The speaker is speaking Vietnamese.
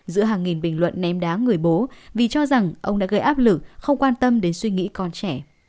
giữa hàng nghìn bình luận ném đá người bố vì cho rằng ông đã gây áp lực không quan tâm đến suy nghĩ con trẻ